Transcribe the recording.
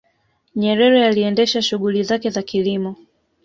nyerere aliendesha shughuli zake za kilimo